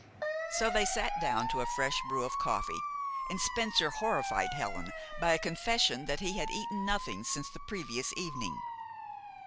So they sat down to a fresh brew of coffee, and Spencer horrified Helen by a confession that he had eaten nothing since the previous evening.